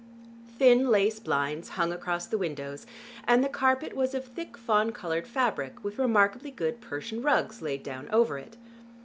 Thin lace blinds hung across the windows, and the carpet was of thick fawn colored fabric with remarkably good Persian rugs laid down over it.